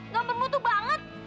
gak membutuh banget